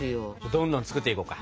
どんどん作っていこうか。